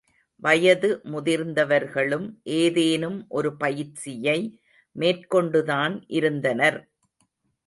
வயது முதிர்ந்தவர்களும் ஏதேனும் ஒரு பயிற்சியை மேற்கொண்டுதான் இருந்தனர்.